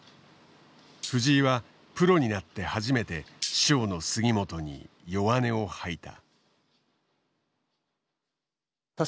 藤井はプロになって初めて師匠の杉本に弱音を吐いた。